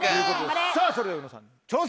さぁそれでは宇野さん挑戦です。